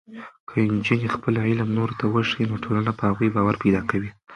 که نجونې خپل علم نورو ته وښيي، نو ټولنه په هغوی باور پیدا کوي.